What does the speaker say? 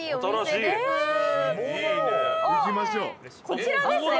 こちらですね。